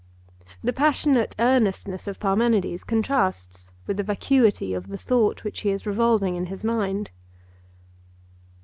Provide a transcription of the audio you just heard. The passionate earnestness of Parmenides contrasts with the vacuity of the thought which he is revolving in his mind.